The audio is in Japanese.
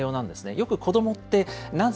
よく子どもって、なぜ？